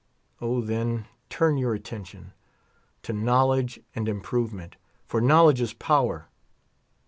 O, then, turn your attention to knowledge and improvement ; for knowledge is power.